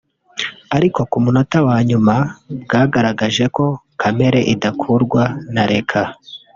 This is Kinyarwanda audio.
ariko ku munota wa nyuma bwagaragaje ko kamere idakurwa na reka